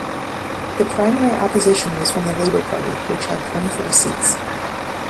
The primary opposition was from the Labour Party, which had twenty-four seats.